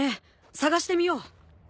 探してみよう。